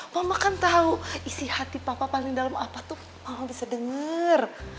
bapak kan tau isi hati bapak paling dalam apa tuh bapak bisa dengar